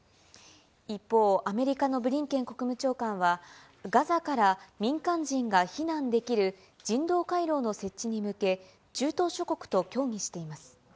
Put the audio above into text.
一方、アメリカのブリンケン国務長官は、ガザから民間人が避難できる人道回廊の設置に向け、中東諸国と協議しています。